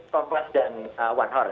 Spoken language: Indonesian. kompas dan one hour